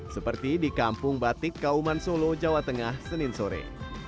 seperti di kampung batik kauman solo jawa tengah senin sore